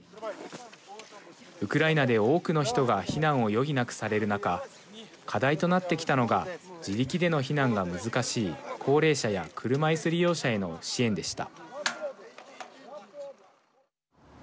ウクライナで多くの人が避難を余儀なくされる中課題となってきたのが自力での避難が難しい高齢者や車いす利用者への支援でした。